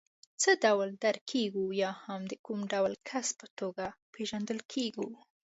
څه ډول درک کېږو یا هم د کوم ډول کس په توګه پېژندل کېږو.